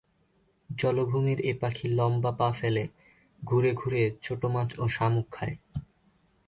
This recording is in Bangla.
জলাভূমির এ পাখি লম্বা পা ফেলে ঘুরে ঘুরে ছোট মাছ ও শামুক খায়।